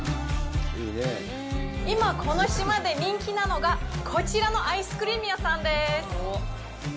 今、この島で人気なのがこちらのアイスクリーム屋さんです。